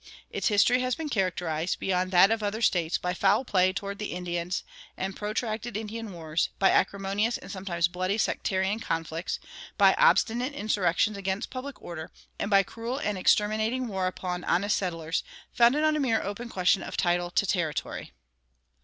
Its history has been characterized, beyond that of other States, by foul play toward the Indians and protracted Indian wars, by acrimonious and sometimes bloody sectarian conflicts, by obstinate insurrections against public order,[144:1] and by cruel and exterminating war upon honest settlers, founded on a mere open question of title to territory.